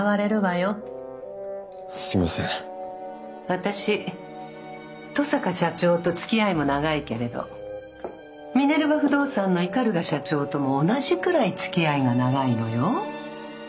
私登坂社長とつきあいも長いけれどミネルヴァ不動産の鵤社長とも同じくらいつきあいが長いのよ。